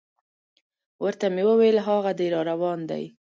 ورته مې وویل: هاغه دی را روان دی.